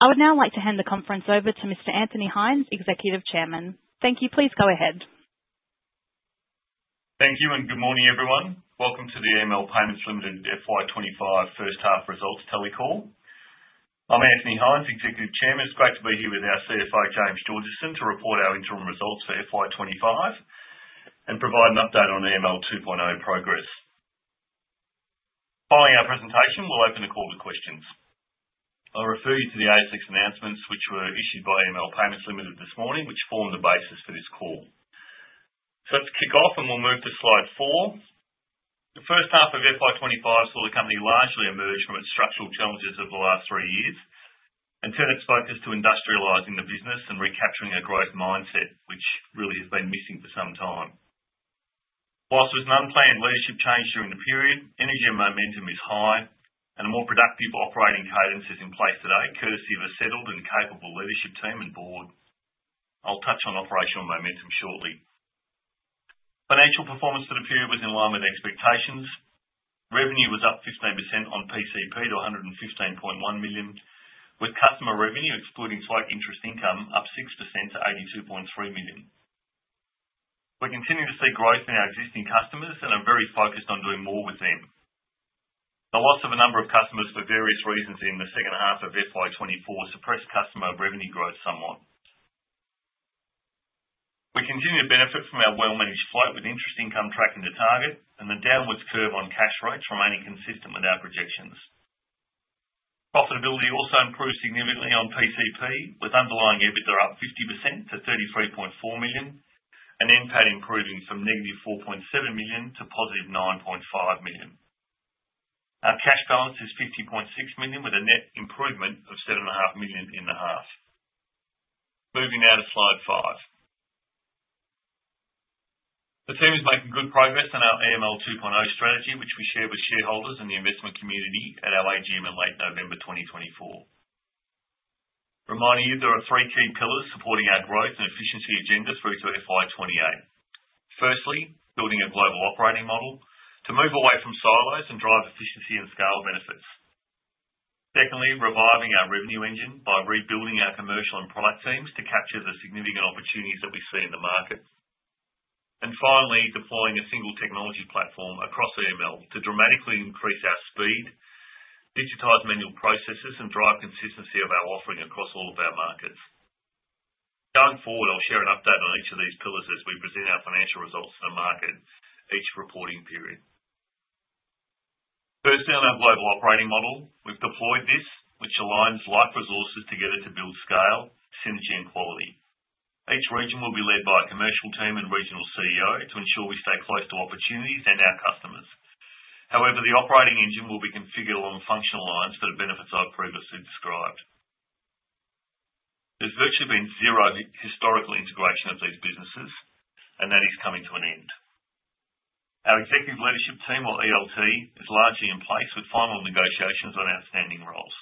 I would now like to hand the conference over to Mr. Anthony Hynes, Executive Chairman. Thank you. Please go ahead. Thank you, and good morning, everyone. Welcome to the EML Payments FY 2025 First Half Results Telecall. I'm Anthony Hynes, Executive Chairman. It's great to be here with our CFO, James Georgeson, to report our interim results for FY 2025 and provide an update on EML 2.0 progress. Following our presentation, we'll open the call to questions. I refer you to the ASX announcements, which were issued by EML Payments this morning, which form the basis for this call. Let's kick off, and we'll move to slide four. The first half of FY 2025 saw the company largely emerge from its structural challenges of the last three years and turn its focus to industrializing the business and recapturing a growth mindset, which really has been missing for some time. Whilst there was an unplanned leadership change during the period, energy and momentum is high, and a more productive operating cadence is in place today, courtesy of a settled and capable leadership team and board. I'll touch on operational momentum shortly. Financial performance for the period was in line with expectations. Revenue was up 15% on PCP to 115.1 million, with customer revenue, excluding slight interest income, up 6% to 82.3 million. We continue to see growth in our existing customers and are very focused on doing more with them. The loss of a number of customers for various reasons in the second half of FY 2024 suppressed customer revenue growth somewhat. We continue to benefit from our well-managed float with interest income tracking to target, and the downwards curve on cash rates remaining consistent with our projections. Profitability also improved significantly on PCP, with underlying EBITDA up 50% to 33.4 million, and NPAT improving from negative 4.7 million to positive 9.5 million. Our cash balance is 50.6 million, with a net improvement of 7.5 million in the half. Moving now to slide five. The team is making good progress on our EML 2.0 strategy, which we shared with shareholders and the investment community at our AGM in late November 2024. Reminding you, there are three key pillars supporting our growth and efficiency agenda through to FY 2028. Firstly, building a global operating model to move away from silos and drive efficiency and scale benefits. Secondly, reviving our revenue engine by rebuilding our commercial and product teams to capture the significant opportunities that we see in the market. Finally, deploying a single technology platform across EML to dramatically increase our speed, digitize manual processes, and drive consistency of our offering across all of our markets. Going forward, I'll share an update on each of these pillars as we present our financial results to the market each reporting period. Firstly, on our global operating model, we've deployed this, which aligns live resources together to build scale, synergy, and quality. Each region will be led by a commercial team and regional CEO to ensure we stay close to opportunities and our customers. However, the operating engine will be configured along functional lines for the benefits I've previously described. There's virtually been zero historical integration of these businesses, and that is coming to an end. Our executive leadership team, or ELT, is largely in place, with final negotiations on outstanding roles.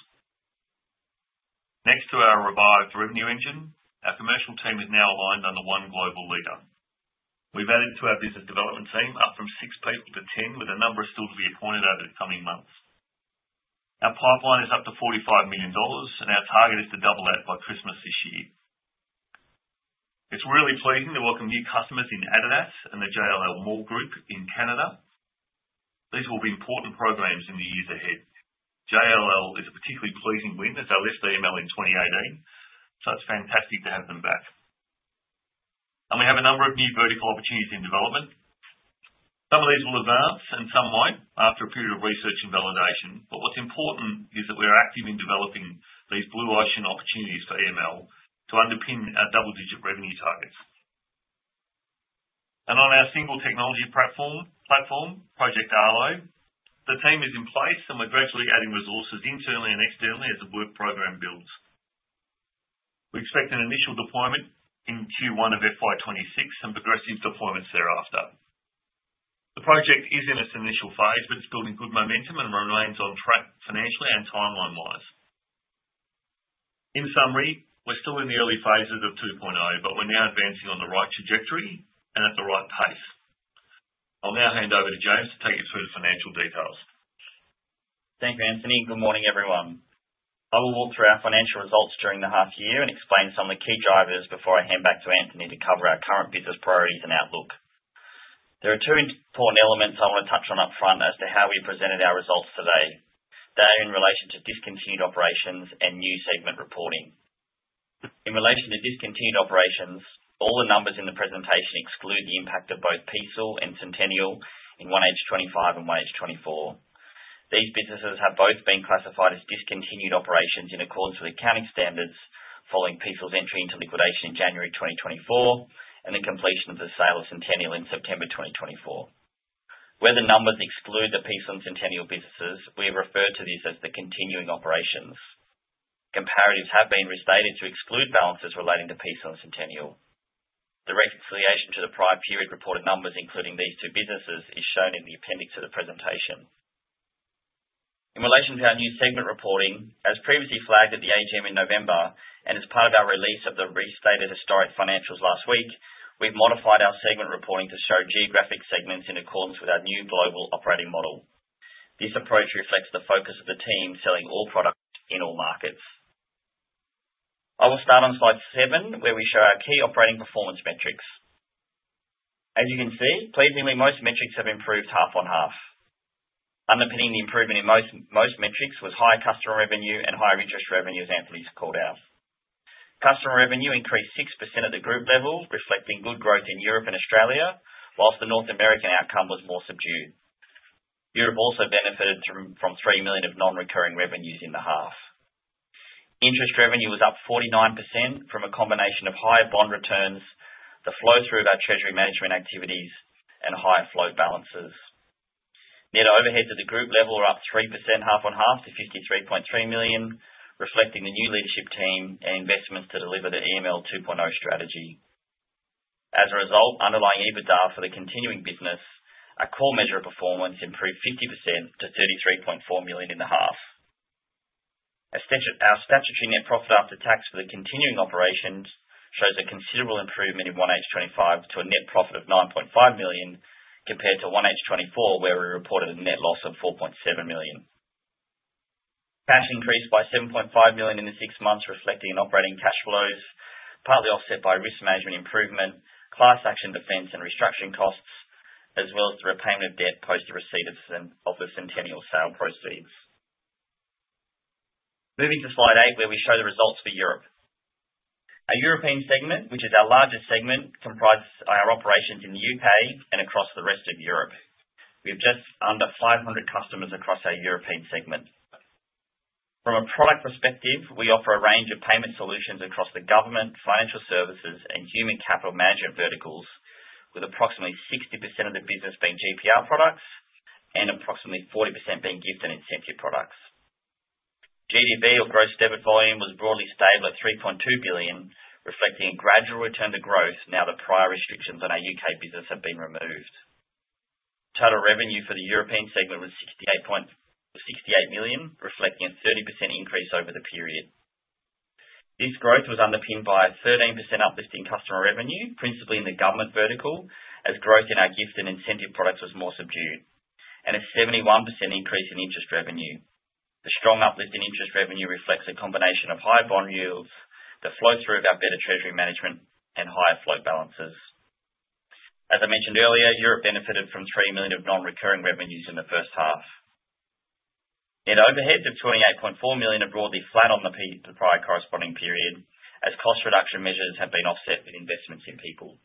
Next to our revived revenue engine, our commercial team is now aligned under one global leader. We've added to our business development team, up from six people to 10, with a number still to be appointed over the coming months. Our pipeline is up to $45 million, and our target is to double that by Christmas this year. It's really pleasing to welcome new customers in Adidas and the JLL Mall Group in Canada. These will be important programs in the years ahead. JLL is a particularly pleasing win as they left EML in 2018, so it's fantastic to have them back. We have a number of new vertical opportunities in development. Some of these will advance, and some won't after a period of research and validation. What's important is that we're active in developing these blue ocean opportunities for EML to underpin our double-digit revenue targets. On our single technology platform, Project Arlo, the team is in place, and we're gradually adding resources internally and externally as the work program builds. We expect an initial deployment in Q1 of FY 2026 and progressive deployments thereafter. The project is in its initial phase, but it's building good momentum and remains on track financially and timeline-wise. In summary, we're still in the early phases of 2.0, but we're now advancing on the right trajectory and at the right pace. I'll now hand over to James to take you through the financial details. Thank you, Anthony. Good morning, everyone. I will walk through our financial results during the half year and explain some of the key drivers before I hand back to Anthony to cover our current business priorities and outlook. There are two important elements I want to touch on upfront as to how we presented our results today. They are in relation to discontinued operations and new segment reporting. In relation to discontinued operations, all the numbers in the presentation exclude the impact of both PESEL and Centennial in 1H 2025 and 1H 2024. These businesses have both been classified as discontinued operations in accordance with accounting standards following PESEL's entry into liquidation in January 2024 and the completion of the sale of Centennial in September 2024. Where the numbers exclude the PESEL and Centennial businesses, we have referred to these as the continuing operations. Comparatives have been restated to exclude balances relating to PESEL and Centennial. The reconciliation to the prior period reported numbers, including these two businesses, is shown in the appendix of the presentation. In relation to our new segment reporting, as previously flagged at the AGM in November and as part of our release of the restated historic financials last week, we have modified our segment reporting to show geographic segments in accordance with our new global operating model. This approach reflects the focus of the team selling all products in all markets. I will start on slide seven, where we show our key operating performance metrics. As you can see, pleasingly, most metrics have improved half on half. Underpinning the improvement in most metrics was high customer revenue and higher interest revenue, as Anthony's called out. Customer revenue increased 6% at the group level, reflecting good growth in Europe and Australia, whilst the North American outcome was more subdued. Europe also benefited from 3 million of non-recurring revenues in the half. Interest revenue was up 49% from a combination of higher bond returns, the flow through of our treasury management activities, and higher float balances. Net overheads at the group level were up 3% half on half to 53.3 million, reflecting the new leadership team and investments to deliver the EML 2.0 strategy. As a result, underlying EBITDA for the continuing business, our core measure of performance, improved 50% to 33.4 million in the half. Our statutory net profit after tax for the continuing operations shows a considerable improvement in 1H 2025 to a net profit of 9.5 million compared to 1H 2024, where we reported a net loss of 4.7 million. Cash increased by 7.5 million in the six months, reflecting operating cash flows, partly offset by risk management improvement, class action defense, and restructuring costs, as well as the repayment of debt post the receipt of the Centennial sale proceeds. Moving to slide eight, where we show the results for Europe. Our European segment, which is our largest segment, comprises our operations in the U.K. and across the rest of Europe. We have just under 500 customers across our European segment. From a product perspective, we offer a range of payment solutions across the government, financial services, and human capital management verticals, with approximately 60% of the business being GPR products and approximately 40% being gift and incentive products. GDV, or gross debit volume, was broadly stable at 3.2 billion, reflecting a gradual return to growth now that prior restrictions on our U.K. business have been removed. Total revenue for the European segment was 68 million, reflecting a 30% increase over the period. This growth was underpinned by a 13% uplift in customer revenue, principally in the government vertical, as growth in our gift and incentive products was more subdued, and a 71% increase in interest revenue. The strong uplift in interest revenue reflects a combination of high bond yields, the flow through of our better treasury management, and higher float balances. As I mentioned earlier, Europe benefited from 3 million of non-recurring revenues in the first half. Net overheads of 28.4 million are broadly flat on the prior corresponding period, as cost reduction measures have been offset with investments in people.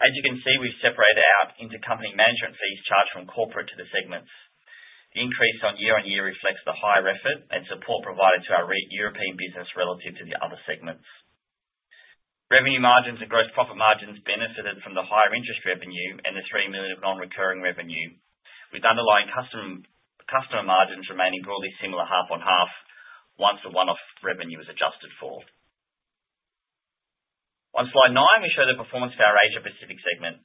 As you can see, we've separated out intercompany management fees charged from corporate to the segments. The increase on year-on-year reflects the higher effort and support provided to our European business relative to the other segments. Revenue margins and gross profit margins benefited from the higher interest revenue and the 3 million of non-recurring revenue, with underlying customer margins remaining broadly similar half on half once the one-off revenue was adjusted for. On slide nine, we show the performance for our Asia-Pacific segment.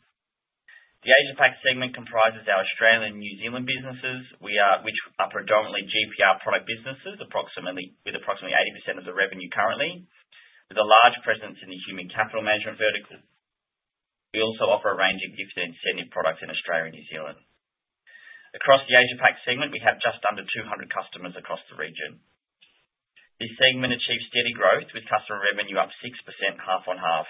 The Asia-Pac segment comprises our Australian and New Zealand businesses, which are predominantly GPR product businesses, with approximately 80% of the revenue currently, with a large presence in the human capital management vertical. We also offer a range of gift and incentive products in Australia and New Zealand. Across the Asia-Pac segment, we have just under 200 customers across the region. This segment achieved steady growth, with customer revenue up 6% half on half.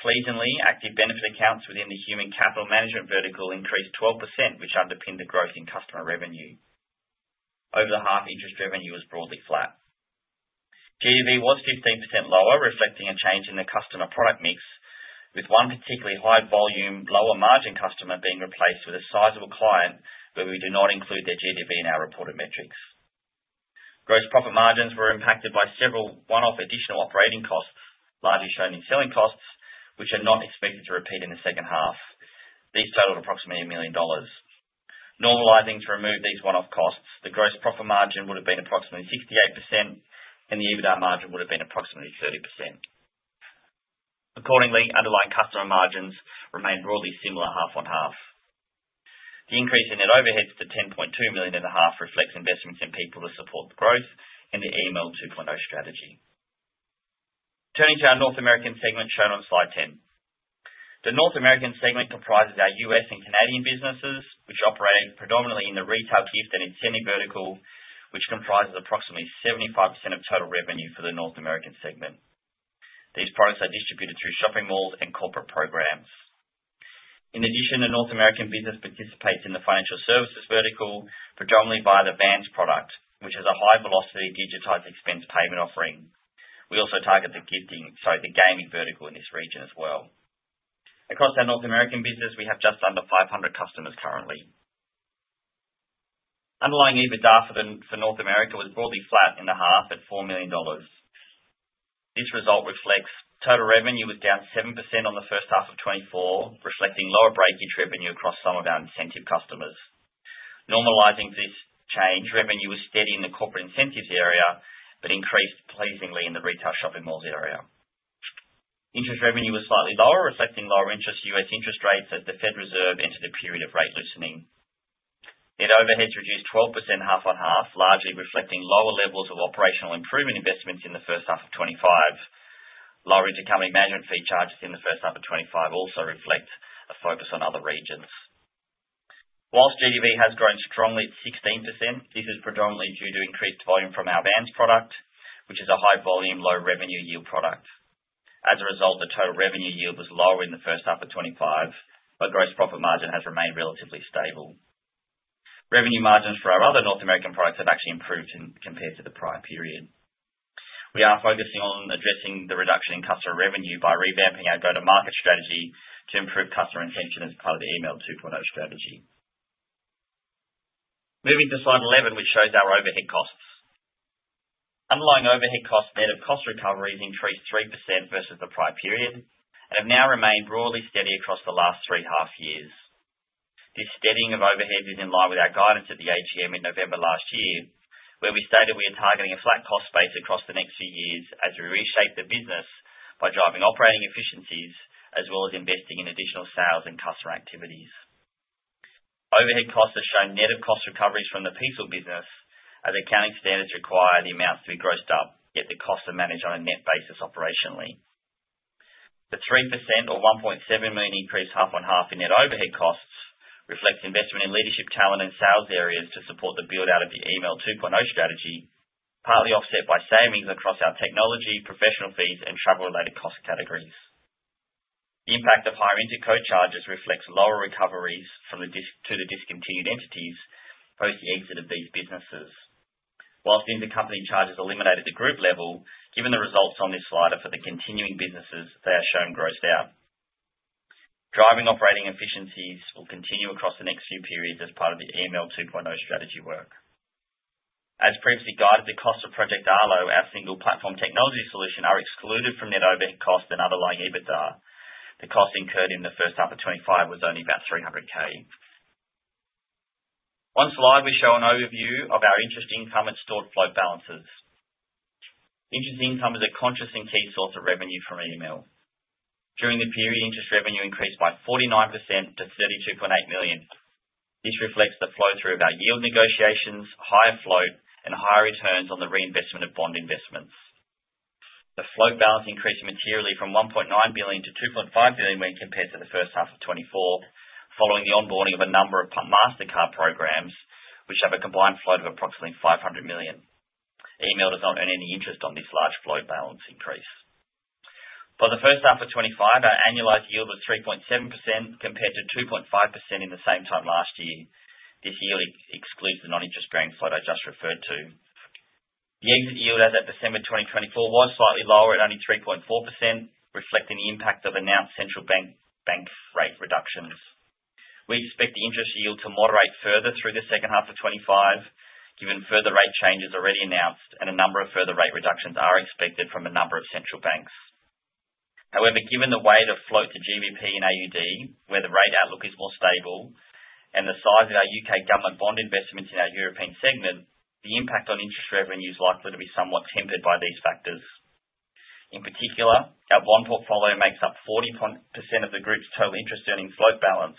Pleasingly, active benefit accounts within the human capital management vertical increased 12%, which underpinned the growth in customer revenue. Over the half, interest revenue was broadly flat. GDV was 15% lower, reflecting a change in the customer product mix, with one particularly high-volume, lower-margin customer being replaced with a sizable client where we do not include their GDV in our reported metrics. Gross profit margins were impacted by several one-off additional operating costs, largely shown in selling costs, which are not expected to repeat in the second half. These totaled approximately $1 million. Normalizing to remove these one-off costs, the gross profit margin would have been approximately 68%, and the EBITDA margin would have been approximately 30%. Accordingly, underlying customer margins remained broadly similar half-on-half. The increase in net overheads to 10.2 million in the half reflects investments in people to support the growth and the EML 2.0 strategy. Turning to our North American segment shown on slide 10. The North American segment comprises our US and Canadian businesses, which operate predominantly in the retail, gift, and incentive vertical, which comprises approximately 75% of total revenue for the North American segment. These products are distributed through shopping malls and corporate programs. In addition, the North American business participates in the financial services vertical, predominantly via the VANS product, which is a high-velocity digitized expense payment offering. We also target the gaming vertical in this region as well. Across our North American business, we have just under 500 customers currently. Underlying EBITDA for North America was broadly flat in the half at AUD $4 million. This result reflects total revenue was down 7% on the first half of 2024, reflecting lower break-even revenue across some of our incentive customers. Normalizing this change, revenue was steady in the corporate incentives area but increased pleasingly in the retail shopping malls area. Interest revenue was slightly lower, reflecting lower U.S. interest rates as the Federal Reserve entered a period of rate loosening. Net overheads reduced 12% half-on-half, largely reflecting lower levels of operational improvement investments in the first half of 2025. Lower intercompany management fee charges in the first half of 2025 also reflect a focus on other regions. Whilst GDV has grown strongly at 16%, this is predominantly due to increased volume from our VANS product, which is a high-volume, low-revenue yield product. As a result, the total revenue yield was lower in the first half of 2025, but gross profit margin has remained relatively stable. Revenue margins for our other North American products have actually improved compared to the prior period. We are focusing on addressing the reduction in customer revenue by revamping our go-to-market strategy to improve customer retention as part of the EML 2.0 strategy. Moving to slide 11, which shows our overhead costs. Underlying overhead costs net of cost recoveries increased 3% versus the prior period and have now remained broadly steady across the last three half years. This steadying of overhead is in line with our guidance at the AGM in November last year, where we stated we are targeting a flat cost base across the next few years as we reshape the business by driving operating efficiencies as well as investing in additional sales and customer activities. Overhead costs have shown net of cost recoveries from the PESEL business, as accounting standards require the amounts to be grossed up, yet the costs are managed on a net basis operationally. The 3% or 1.7 million increase half on half in net overhead costs reflects investment in leadership talent and sales areas to support the build-out of the EML 2.0 strategy, partly offset by savings across our technology, professional fees, and travel-related cost categories. The impact of higher intercode charges reflects lower recoveries to the discontinued entities post the exit of these businesses. Whilst intercompany charges eliminated at the group level, given the results on this slide are for the continuing businesses, they are shown grossed out. Driving operating efficiencies will continue across the next few periods as part of the EML 2.0 strategy work. As previously guided, the costs of Project Arlo, our single platform technology solution, are excluded from net overhead costs and underlying EBITDA. The cost incurred in the first half of 2025 was only about 300,000. On slide, we show an overview of our interest income and stored float balances. Interest income is a consistent key source of revenue from EML. During the period, interest revenue increased by 49% to 32.8 million. This reflects the flow through of our yield negotiations, higher float, and higher returns on the reinvestment of bond investments. The float balance increased materially from 1.9 billion to 2.5 billion when compared to the first half of 2024, following the onboarding of a number of Mastercard programs, which have a combined float of approximately 500 million. EML does not earn any interest on this large float balance increase. For the first half of 2025, our annualized yield was 3.7% compared to 2.5% in the same time last year. This yield excludes the non-interest-bearing float I just referred to. The exit yield as of December 2024 was slightly lower at only 3.4%, reflecting the impact of announced central bank rate reductions. We expect the interest yield to moderate further through the second half of 2025, given further rate changes already announced and a number of further rate reductions are expected from a number of central banks. However, given the weight of float to GBP and AUD, where the rate outlook is more stable, and the size of our U.K. government bond investments in our European segment, the impact on interest revenue is likely to be somewhat tempered by these factors. In particular, our bond portfolio makes up 40% of the group's total interest-earning float balance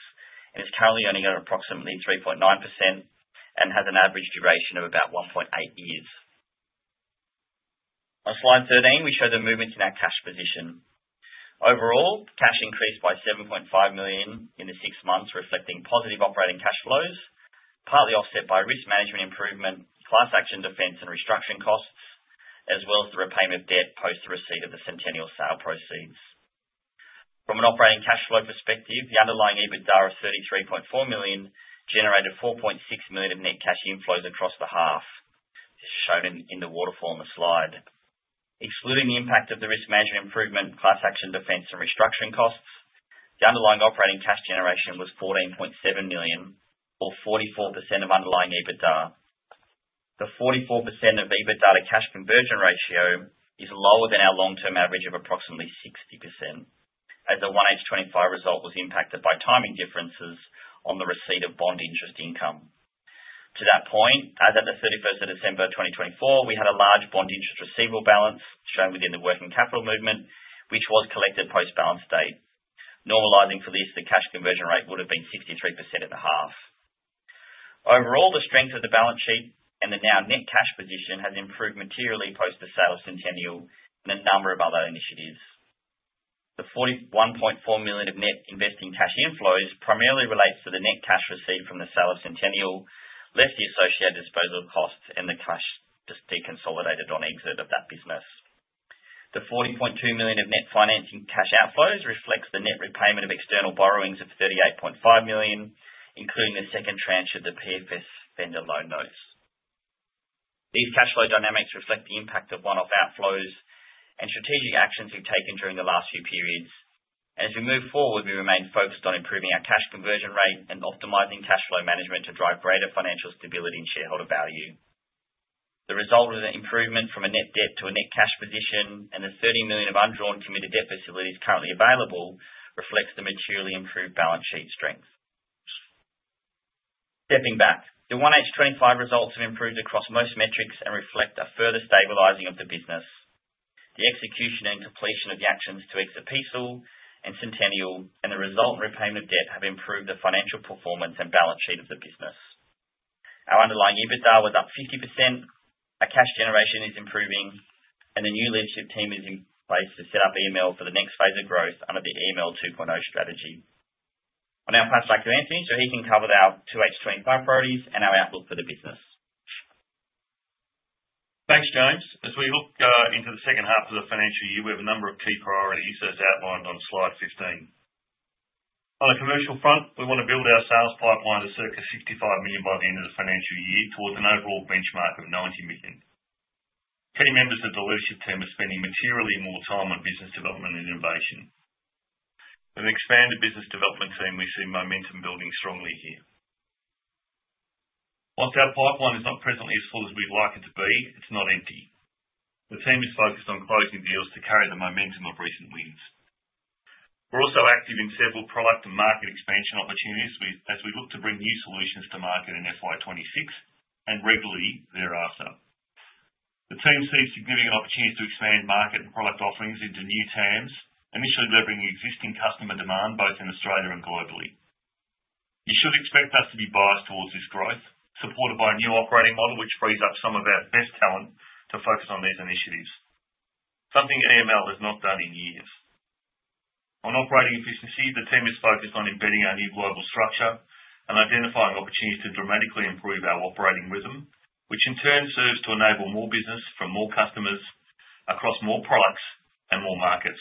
and is currently earning at approximately 3.9% and has an average duration of about 1.8 years. On slide 13, we show the movements in our cash position. Overall, cash increased by 7.5 million in the six months, reflecting positive operating cash flows, partly offset by risk management improvement, class action defense, and restructuring costs, as well as the repayment of debt post the receipt of the Centennial sale proceeds. From an operating cash flow perspective, the underlying EBITDA of 33.4 million generated 4.6 million of net cash inflows across the half. This is shown in the waterfall on the slide. Excluding the impact of the risk management improvement, class action defense, and restructuring costs, the underlying operating cash generation was 14.7 million, or 44% of underlying EBITDA. The 44% of EBITDA to cash conversion ratio is lower than our long-term average of approximately 60%, as the 1H 2025 result was impacted by timing differences on the receipt of bond interest income. To that point, as of the 31st of December 2024, we had a large bond interest receivable balance shown within the working capital movement, which was collected post-balance date. Normalizing for this, the cash conversion rate would have been 63% of the half. Overall, the strength of the balance sheet and the now-net cash position has improved materially post the sale of Centennial and a number of other initiatives. The 41.4 million of net investing cash inflows primarily relates to the net cash received from the sale of Centennial, less the associated disposal of costs, and the cash to be consolidated on exit of that business. The 40.2 million of net financing cash outflows reflects the net repayment of external borrowings of 38.5 million, including the second tranche of the PFS vendor loan notes. These cash flow dynamics reflect the impact of one-off outflows and strategic actions we've taken during the last few periods. As we move forward, we remain focused on improving our cash conversion rate and optimizing cash flow management to drive greater financial stability and shareholder value. The result is an improvement from a net debt to a net cash position, and the 30 million of undrawn committed debt facilities currently available reflects the materially improved balance sheet strength. Stepping back, the 1H 2025 results have improved across most metrics and reflect a further stabilizing of the business. The execution and completion of the actions to exit PESEL and Centennial and the resultant repayment of debt have improved the financial performance and balance sheet of the business. Our underlying EBITDA was up 50%, our cash generation is improving, and a new leadership team is in place to set up EML for the next phase of growth under the EML 2.0 strategy. I'll now pass back to Anthony so he can cover our 2H 2025 priorities and our outlook for the business. Thanks, James. As we look into the second half of the financial year, we have a number of key priorities as outlined on slide 15. On the commercial front, we want to build our sales pipeline to circa 65 million by the end of the financial year towards an overall benchmark of 90 million. Key members of the leadership team are spending materially more time on business development and innovation. With an expanded business development team, we see momentum building strongly here. Whilst our pipeline is not presently as full as we'd like it to be, it's not empty. The team is focused on closing deals to carry the momentum of recent wins. We're also active in several product and market expansion opportunities as we look to bring new solutions to market in FY 2026 and regularly thereafter. The team sees significant opportunities to expand market and product offerings into new TAMs, initially delivering existing customer demand both in Australia and globally. You should expect us to be biased towards this growth, supported by a new operating model which frees up some of our best talent to focus on these initiatives, something EML has not done in years. On operating efficiency, the team is focused on embedding our new global structure and identifying opportunities to dramatically improve our operating rhythm, which in turn serves to enable more business from more customers across more products and more markets.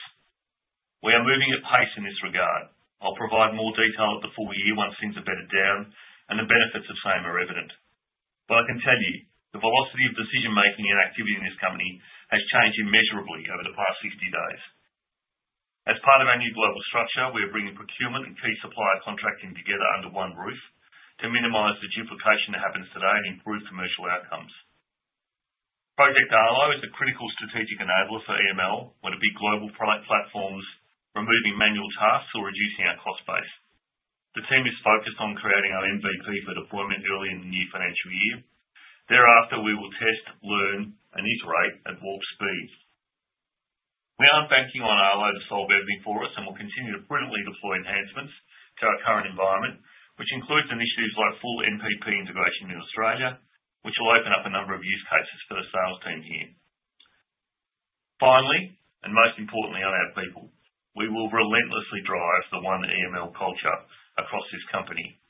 We are moving at pace in this regard. I'll provide more detail at the full year once things are better down, and the benefits of same are evident. I can tell you the velocity of decision-making and activity in this company has changed immeasurably over the past 60 days. As part of our new global structure, we are bringing procurement and key supplier contracting together under one roof to minimize the duplication that happens today and improve commercial outcomes. Project Arlo is a critical strategic enabler for EML, whether it be global product platforms, removing manual tasks, or reducing our cost base. The team is focused on creating our MVP for deployment early in the new financial year. Thereafter, we will test, learn, and iterate at warp speed. We aren't banking on Arlo to solve everything for us, and we'll continue to prudently deploy enhancements to our current environment, which includes initiatives like full MPP integration in Australia, which will open up a number of use cases for the sales team here. Finally, and most importantly, on our people, we will relentlessly drive the one EML culture across this company,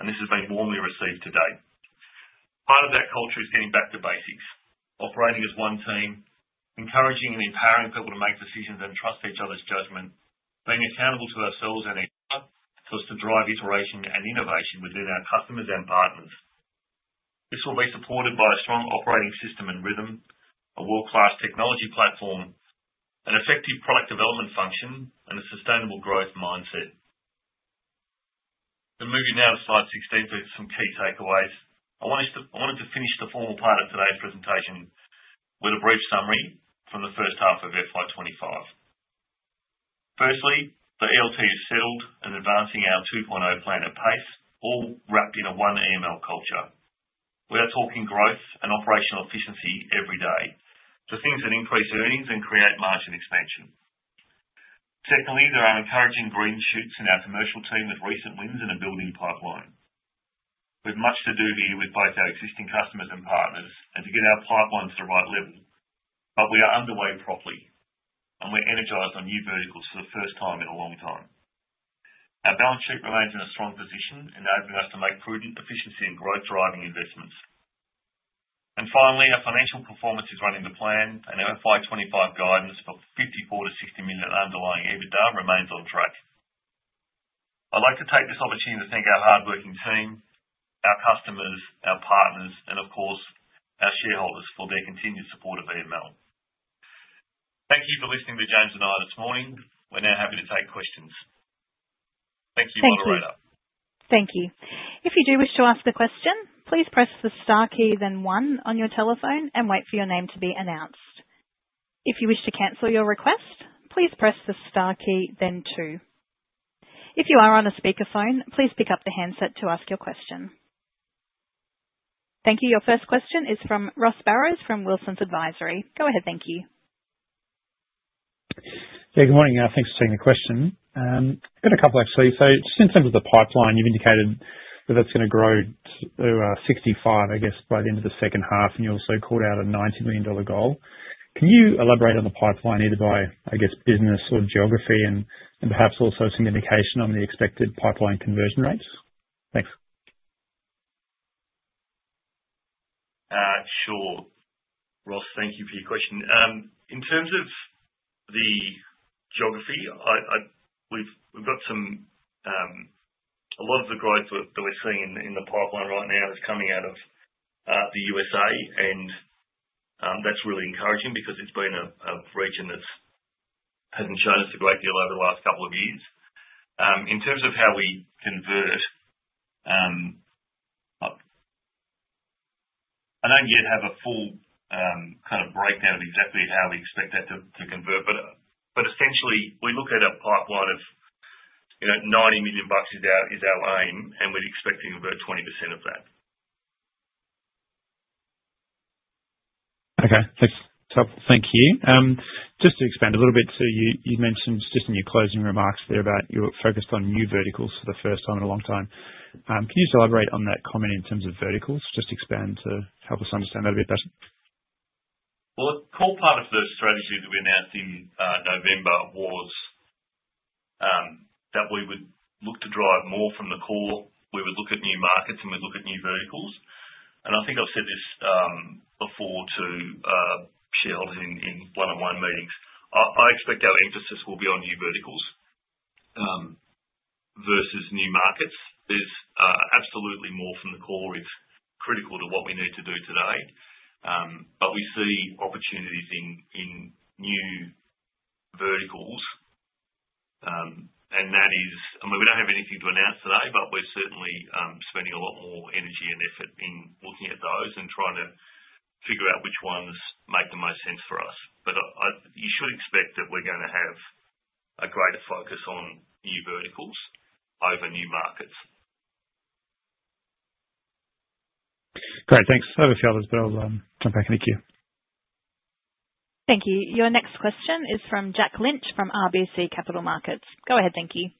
and this has been warmly received to date. Part of that culture is getting back to basics, operating as one team, encouraging and empowering people to make decisions and trust each other's judgment, being accountable to ourselves and each other to drive iteration and innovation within our customers and partners. This will be supported by a strong operating system and rhythm, a world-class technology platform, an effective product development function, and a sustainable growth mindset. I'm moving now to slide 16 for some key takeaways. I wanted to finish the formal part of today's presentation with a brief summary from the first half of FY 2025. Firstly, the ELT is settled and advancing our 2.0 plan at pace, all wrapped in a one EML culture. We are talking growth and operational efficiency every day, so things that increase earnings and create margin expansion. Secondly, there are encouraging green shoots in our commercial team with recent wins and a building pipeline. We have much to do here with both our existing customers and partners and to get our pipeline to the right level, but we are underway properly, and we're energized on new verticals for the first time in a long time. Our balance sheet remains in a strong position, enabling us to make prudent efficiency and growth-driving investments. Finally, our financial performance is running the plan, and our FY 2025 guidance for 54 million-60 million underlying EBITDA remains on track. I'd like to take this opportunity to thank our hardworking team, our customers, our partners, and of course, our shareholders for their continued support of EML. Thank you for listening to James and me this morning. We're now happy to take questions. Thank you, Operator. Thank you. If you do wish to ask a question, please press the star key, then one on your telephone, and wait for your name to be announced. If you wish to cancel your request, please press the star key, then two. If you are on a speakerphone, please pick up the handset to ask your question. Thank you. Your first question is from Ross Barrows from Wilsons Advisory. Go ahead. Thank you. Yeah, good morning. Thanks for taking the question. I've got a couple, actually. Just in terms of the pipeline, you've indicated that that's going to grow to 65 million, I guess, by the end of the second half, and you also called out a $90 million goal. Can you elaborate on the pipeline either by, I guess, business or geography and perhaps also some indication on the expected pipeline conversion rates? Thanks. Sure. Ross, thank you for your question. In terms of the geography, we've got a lot of the growth that we're seeing in the pipeline right now is coming out of the US, and that's really encouraging because it's been a region that hasn't shown us a great deal over the last couple of years. In terms of how we convert, I don't yet have a full kind of breakdown of exactly how we expect that to convert, but essentially, we look at a pipeline of 90 million bucks is our aim, and we'd expect to convert 20% of that. Okay. Thanks. Thank you. Just to expand a little bit, you mentioned just in your closing remarks there about you're focused on new verticals for the first time in a long time. Can you just elaborate on that comment in terms of verticals? Just expand to help us understand that a bit better. A core part of the strategy that we announced in November was that we would look to drive more from the core. We would look at new markets, and we'd look at new verticals. I think I've said this before to shareholders in one-on-one meetings. I expect our emphasis will be on new verticals versus new markets. There's absolutely more from the core. It's critical to what we need to do today, but we see opportunities in new verticals, and that is, I mean, we don't have anything to announce today, but we're certainly spending a lot more energy and effort in looking at those and trying to figure out which ones make the most sense for us. You should expect that we're going to have a greater focus on new verticals over new markets. Great. Thanks. Over to the others, but I'll jump back. Thank you. Thank you. Your next question is from Jack Lynch from RBC Capital Markets. Go ahead. Thank you.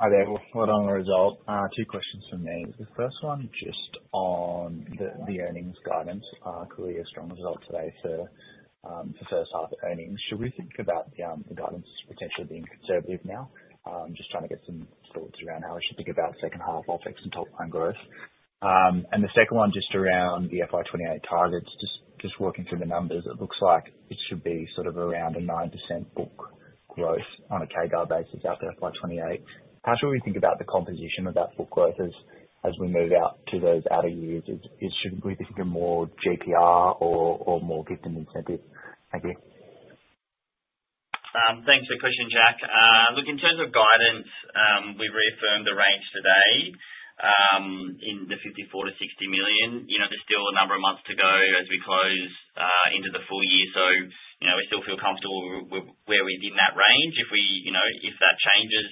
Hi there. On the result, two questions for me. The first one just on the earnings guidance, clearly a strong result today for the first half earnings. Should we think about the guidance potentially being conservative now? Just trying to get some thoughts around how we should think about second half OpEx and top-line growth. The second one, just around the FY 2028 targets, just working through the numbers, it looks like it should be sort of around a 9% book growth on a KDA basis after FY 2028. How should we think about the composition of that book growth as we move out to those outer years? Should we be thinking more GPR or more gift and incentive? Thank you. Thanks for the question, Jack. Look, in terms of guidance, we've reaffirmed the range today in the 54 million-60 million. There's still a number of months to go as we close into the full year, so we still feel comfortable where we're in that range. If that changes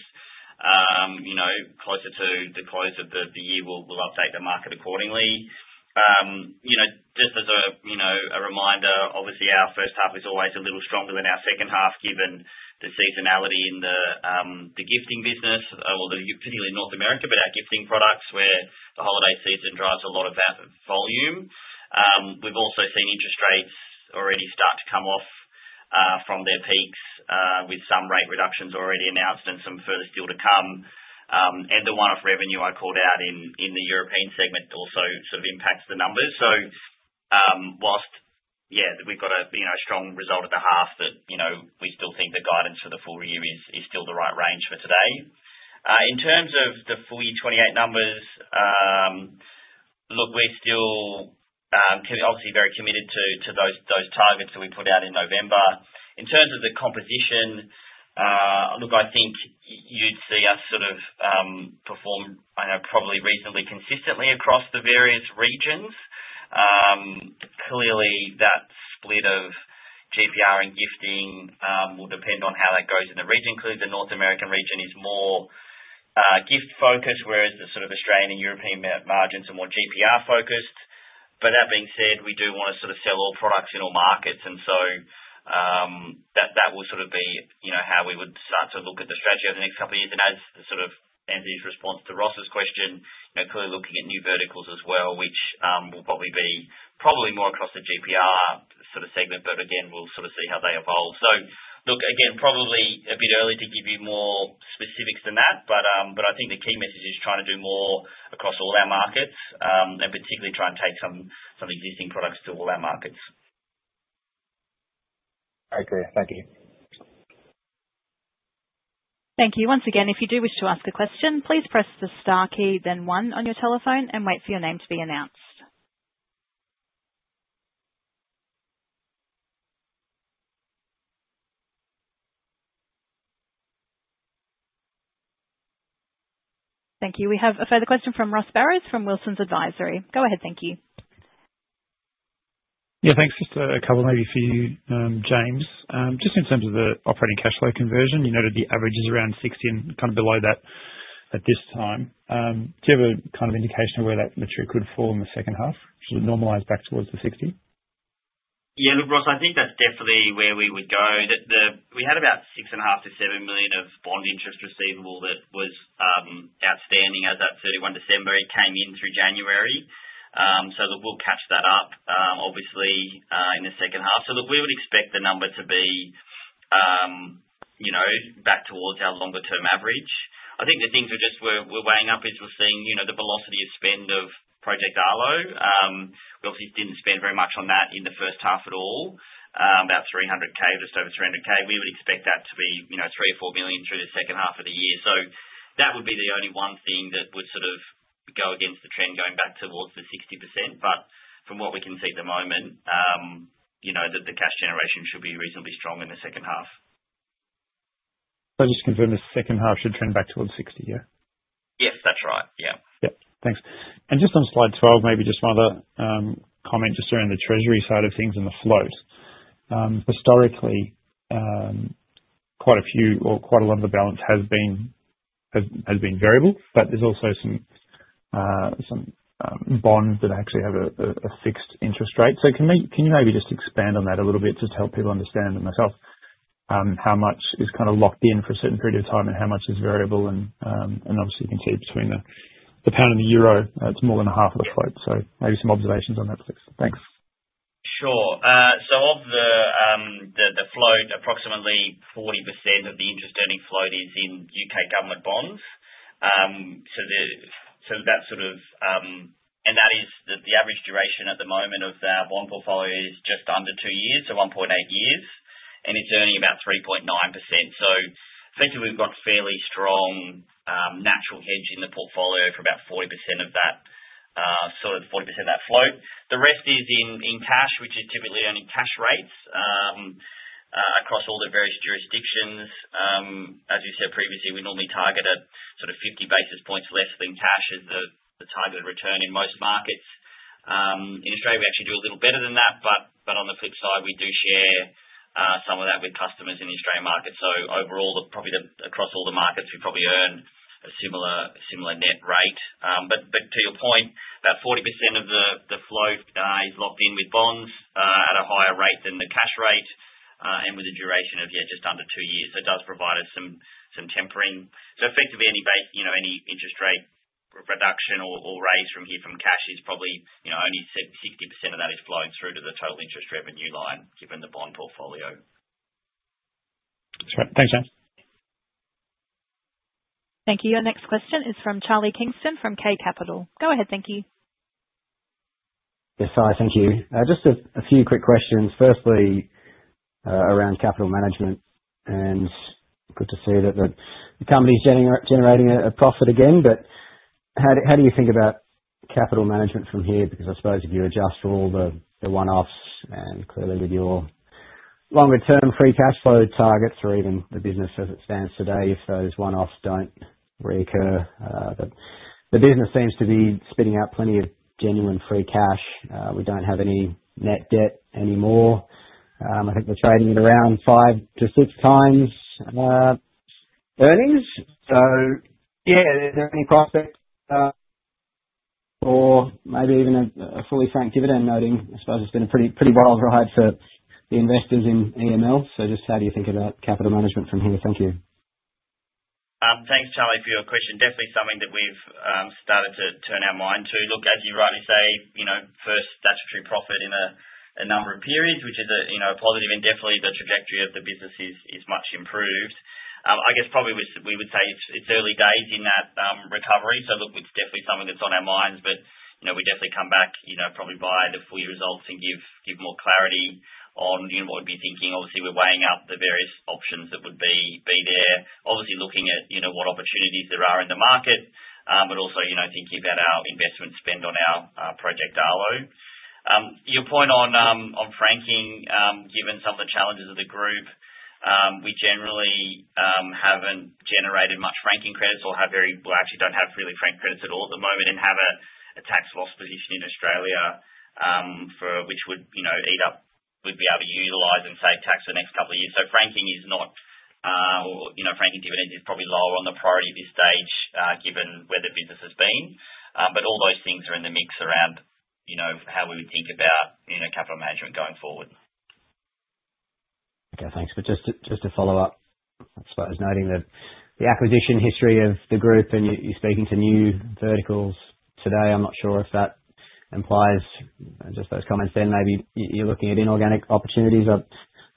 closer to the close of the year, we'll update the market accordingly. Just as a reminder, obviously, our first half is always a little stronger than our second half given the seasonality in the gifting business, particularly in North America, but our gifting products where the holiday season drives a lot of that volume. We've also seen interest rates already start to come off from their peaks with some rate reductions already announced and some further still to come. The one-off revenue I called out in the European segment also sort of impacts the numbers. Whilst, yeah, we've got a strong result at the half, we still think the guidance for the full year is still the right range for today. In terms of the full year 2028 numbers, look, we're still obviously very committed to those targets that we put out in November. In terms of the composition, look, I think you'd see us sort of perform, I know, probably reasonably consistently across the various regions. Clearly, that split of GPR and gifting will depend on how that goes in the region. Clearly, the North American region is more gift-focused, whereas the sort of Australian and European margins are more GPR-focused. That being said, we do want to sort of sell all products in all markets, and so that will sort of be how we would start to look at the strategy over the next couple of years. As sort of Anthony's response to Ross's question, clearly looking at new verticals as well, which will probably be probably more across the GPR sort of segment, but again, we'll sort of see how they evolve. Look, again, probably a bit early to give you more specifics than that, but I think the key message is trying to do more across all our markets and particularly try and take some existing products to all our markets. I agree. Thank you. Thank you. Once again, if you do wish to ask a question, please press the star key, then one on your telephone, and wait for your name to be announced. Thank you. We have a further question from Ross Barrows from Wilsons Advisory. Go ahead. Thank you. Yeah, thanks. Just a couple maybe for you, James. Just in terms of the operating cash flow conversion, you noted the average is around 60% and kind of below that at this time. Do you have a kind of indication of where that mature could fall in the second half, sort of normalize back towards the 60%? Yeah. Look, Ross, I think that's definitely where we would go. We had about 6.5 million-7 million of bond interest receivable that was outstanding as of 31 December. It came in through January. Look, we'll catch that up, obviously, in the second half. We would expect the number to be back towards our longer-term average. I think the things we're weighing up is we're seeing the velocity of spend of Project Arlo. We obviously didn't spend very much on that in the first half at all, about 300,000, just over 300,000. We would expect that to be 3 million-4 million through the second half of the year. That would be the only one thing that would sort of go against the trend going back towards the 60%. From what we can see at the moment, the cash generation should be reasonably strong in the second half. Just confirm the second half should trend back towards 60%, yeah? Yes, that's right. Yeah. Yep. Thanks. Just on slide 12, maybe just one other comment just around the treasury side of things and the float. Historically, quite a few or quite a lot of the balance has been variable, but there's also some bonds that actually have a fixed interest rate. Can you maybe just expand on that a little bit just to help people understand for myself how much is kind of locked in for a certain period of time and how much is variable? Obviously, you can see between the pound and the euro, it's more than half of the float. Maybe some observations on that, please. Thanks. Sure. Of the float, approximately 40% of the interest-earning float is in U.K. government bonds. That is the average duration at the moment of our bond portfolio, which is just under two years, so 1.8 years, and it is earning about 3.9%. Effectively, we have got a fairly strong natural hedge in the portfolio for about 40% of that float. The rest is in cash, which is typically earning cash rates across all the various jurisdictions. As you said previously, we normally target at about 50 basis points less than cash as the targeted return in most markets. In Australia, we actually do a little better than that, but on the flip side, we do share some of that with customers in the Australian market. Overall, probably across all the markets, we probably earn a similar net rate. To your point, about 40% of the float is locked in with bonds at a higher rate than the cash rate and with a duration of just under two years. It does provide us some tempering. Effectively, any interest rate reduction or raise from here from cash is probably only 60% of that is flowing through to the total interest revenue line given the bond portfolio. That's right. Thanks, James. Thank you. Your next question is from Charlie Kingston from K Capital. Go ahead. Thank you. Yes, hi. Thank you. Just a few quick questions. Firstly, around capital management, and good to see that the company's generating a profit again. How do you think about capital management from here? Because I suppose if you adjust for all the one-offs and clearly with your longer-term free cash flow targets or even the business as it stands today, if those one-offs do not reoccur, the business seems to be spitting out plenty of genuine free cash. We do not have any net debt anymore. I think we are trading at around five to six times earnings. Is there any prospect for maybe even a fully franked dividend noting? I suppose it has been a pretty wild ride for the investors in EML. Just how do you think about capital management from here? Thank you. Thanks, Charlie, for your question. Definitely something that we have started to turn our mind to. Look, as you rightly say, first statutory profit in a number of periods, which is a positive, and definitely the trajectory of the business is much improved. I guess probably we would say it's early days in that recovery. Look, it's definitely something that's on our minds, but we definitely come back probably by the full year results and give more clarity on what we'd be thinking. Obviously, we're weighing out the various options that would be there, obviously looking at what opportunities there are in the market, but also thinking about our investment spend on our Project Arlo. Your point on franking, given some of the challenges of the group, we generally haven't generated much franking credits or actually don't have really franking credits at all at the moment and have a tax loss position in Australia which would eat up. Would be able to utilize and save tax for the next couple of years. Franking is not—franking dividends is probably lower on the priority at this stage given where the business has been. All those things are in the mix around how we would think about capital management going forward. Okay. Thanks. Just to follow up, I suppose noting the acquisition history of the group and you speaking to new verticals today, I'm not sure if that implies just those comments then. Maybe you're looking at inorganic opportunities, I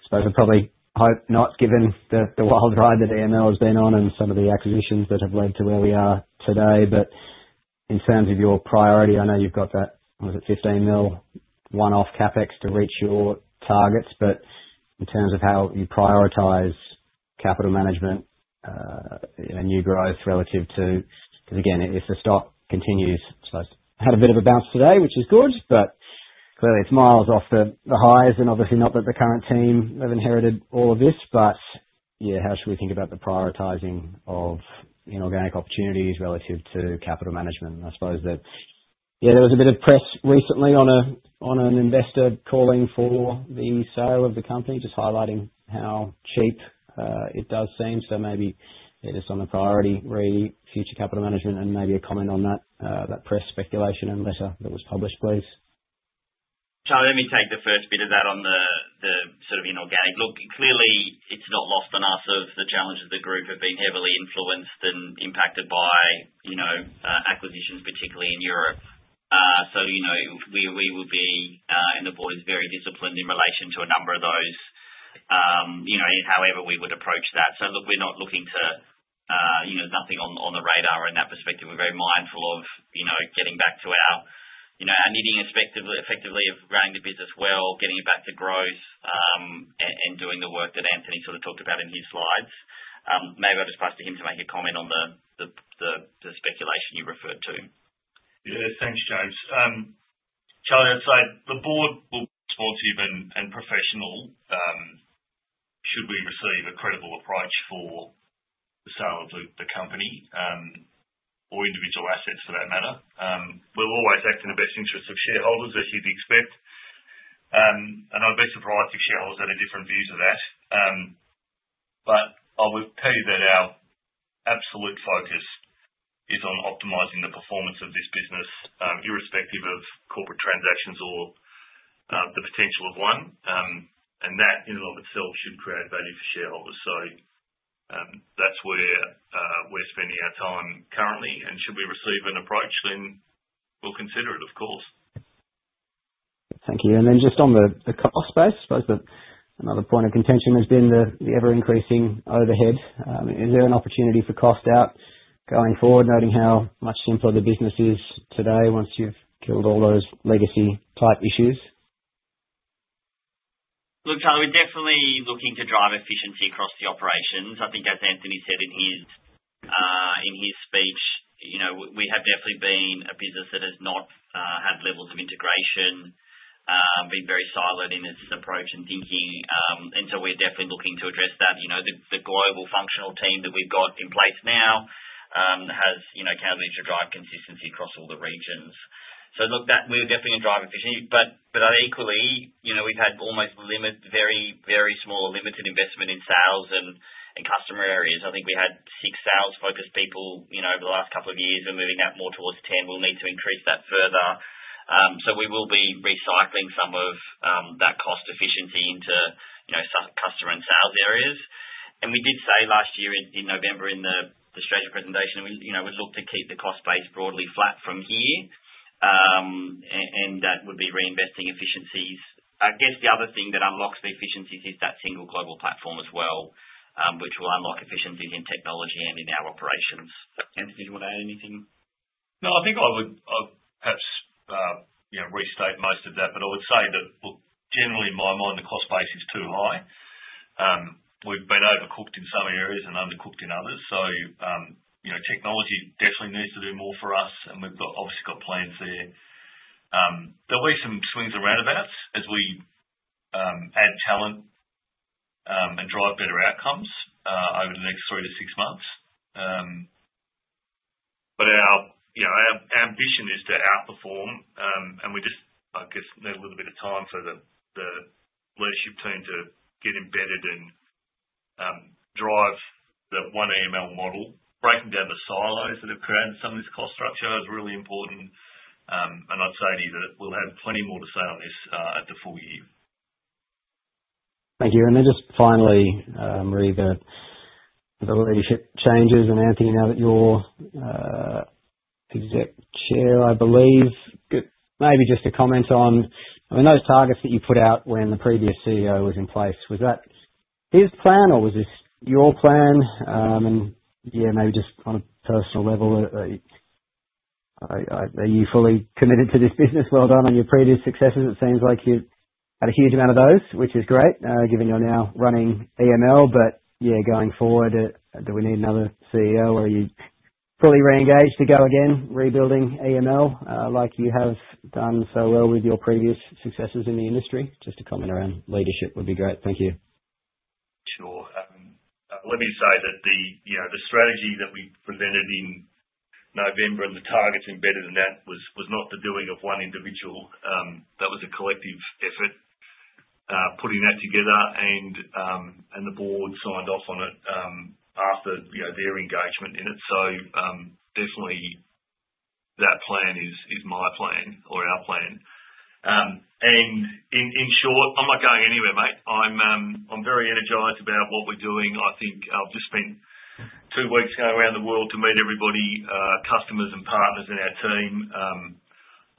suppose I'd probably hope not given the wild ride that EML has been on and some of the acquisitions that have led to where we are today. In terms of your priority, I know you've got that, what is it, 15 million one-off CapEx to reach your targets. In terms of how you prioritize capital management and new growth relative to—because again, if the stock continues, I suppose, had a bit of a bounce today, which is good, but clearly it is miles off the highs and obviously not that the current team have inherited all of this. Yeah, how should we think about the prioritizing of inorganic opportunities relative to capital management? I suppose that, yeah, there was a bit of press recently on an investor calling for the sale of the company, just highlighting how cheap it does seem. Maybe it is on the priority ready, future capital management, and maybe a comment on that press speculation and letter that was published, please. Charlie, let me take the first bit of that on the sort of inorganic. Look, clearly it is not lost on us of the challenges the group have been heavily influenced and impacted by acquisitions, particularly in Europe. We would be and the board is very disciplined in relation to a number of those, however we would approach that. We are not looking to—there is nothing on the radar in that perspective. We are very mindful of getting back to our needing effectively of running the business well, getting it back to growth, and doing the work that Anthony sort of talked about in his slides. Maybe I will just pass to him to make a comment on the speculation you referred to. Yeah. Thanks, James. Charlie, I would say the board will be supportive and professional should we receive a credible approach for the sale of the company or individual assets for that matter. We will always act in the best interests of shareholders, as you would expect. I'd be surprised if shareholders had different views of that. I will tell you that our absolute focus is on optimising the performance of this business irrespective of corporate transactions or the potential of one. That in and of itself should create value for shareholders. That's where we're spending our time currently. Should we receive an approach, we'll consider it, of course. Thank you. Just on the cost space, I suppose another point of contention has been the ever-increasing overhead. Is there an opportunity for cost out going forward, noting how much simpler the business is today once you've killed all those legacy type issues? Look, Charlie, we're definitely looking to drive efficiency across the operations. I think as Anthony said in his speech, we have definitely been a business that has not had levels of integration, been very siloed in its approach and thinking. We are definitely looking to address that. The global functional team that we have got in place now has accountability to drive consistency across all the regions. Look, we are definitely going to drive efficiency. Equally, we have had almost very, very small limited investment in sales and customer areas. I think we had six sales-focused people over the last couple of years. We are moving that more towards 10. We will need to increase that further. We will be recycling some of that cost efficiency into customer and sales areas. We did say last year in November in the strategy presentation, we would look to keep the cost base broadly flat from here, and that would be reinvesting efficiencies. I guess the other thing that unlocks the efficiencies is that single global platform as well, which will unlock efficiencies in technology and in our operations. Anthony, do you want to add anything? No, I think I would perhaps restate most of that. I would say that, look, generally in my mind, the cost base is too high. We've been overcooked in some areas and undercooked in others. Technology definitely needs to do more for us, and we've obviously got plans there. There will be some swings and roundabouts as we add talent and drive better outcomes over the next three to six months. Our ambition is to outperform, and we just, I guess, need a little bit of time for the leadership team to get embedded and drive the one EML model. Breaking down the silos that have created some of this cost structure is really important. I'd say to you that we'll have plenty more to say on this at the full year. Thank you. Finally, Marie, the leadership changes, and Anthony, now that you're Exec Chair, I believe, maybe just to comment on, I mean, those targets that you put out when the previous CEO was in place, was that his plan or was this your plan? Maybe just on a personal level, are you fully committed to this business? Well done on your previous successes. It seems like you had a huge amount of those, which is great given you're now running EML. Going forward, do we need another CEO, or are you fully re-engaged to go again, rebuilding EML like you have done so well with your previous successes in the industry? Just a comment around leadership would be great. Thank you. Sure. Let me just say that the strategy that we presented in November and the targets embedded in that was not the doing of one individual. That was a collective effort, putting that together, and the board signed off on it after their engagement in it. Definitely that plan is my plan or our plan. In short, I'm not going anywhere, mate. I'm very energized about what we're doing. I think I've just spent two weeks going around the world to meet everybody, customers, and partners in our team.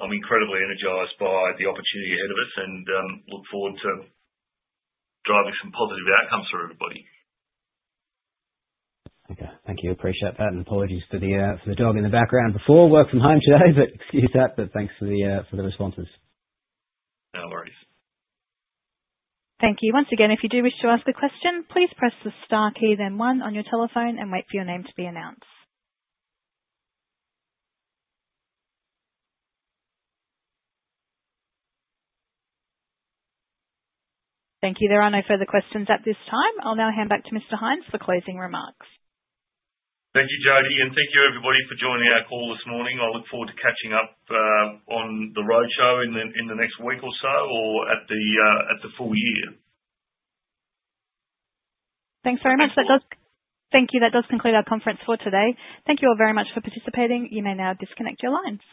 I'm incredibly energized by the opportunity ahead of us and look forward to driving some positive outcomes for everybody. Okay. Thank you. Appreciate that. Apologies for the dog in the background before, work from home today, but excuse that. Thanks for the responses. No worries. Thank you. Once again, if you do wish to ask a question, please press the star key, then one on your telephone, and wait for your name to be announced. Thank you. There are no further questions at this time. I'll now hand back to Mr. Hynes for closing remarks. Thank you, Jodie, and thank you, everybody, for joining our call this morning. I'll look forward to catching up on the roadshow in the next week or so or at the full year. Thanks very much. Thank you. That does conclude our conference for today. Thank you all very much for participating. You may now disconnect your lines.